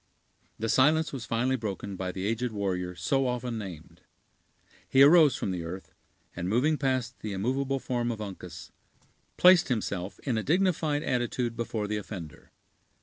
The silence was finally broken by the aged warrior so often named. He arose from the earth, and moving past the immovable form of Uncas, placed himself in a dignified attitude before the offender.